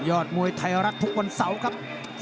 อดมวยไทยรัฐทุกวันเสาร์ครับ